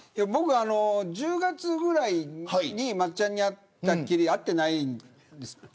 僕１０月ぐらいに松っちゃんに会ったきり会ってないんです。